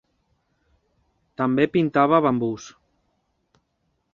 També pintava bambús.